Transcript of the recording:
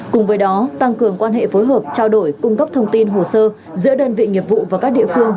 cùng với đó tăng cường quan hệ phối hợp trao đổi cung cấp thông tin hồ sơ giữa đơn vị nghiệp vụ và các địa phương